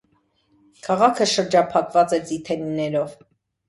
Քաղաքը շրջափակված էր ձիթենիներով։